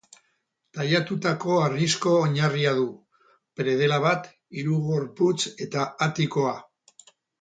Tailatutako harrizko oinarria du, predela bat, hiru gorputz eta atikoa.